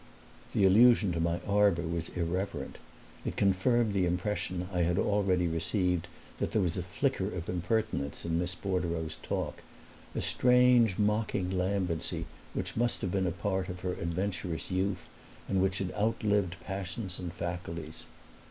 The allusion to my arbor was irreverent; it confirmed the impression I had already received that there was a flicker of impertinence in Miss Bordereau's talk, a strange mocking lambency which must have been a part of her adventurous youth and which had outlived passions and faculties.